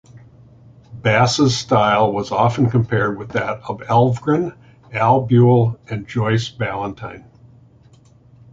Bass' style was often compared with that of Elvgren, Al Buell, and Joyce Ballantyne.